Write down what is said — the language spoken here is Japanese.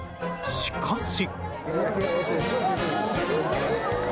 しかし。